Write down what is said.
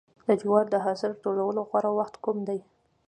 د جوارو د حاصل ټولولو غوره وخت کوم دی؟